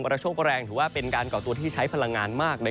กระโชคแรงถือว่าเป็นการก่อตัวที่ใช้พลังงานมาก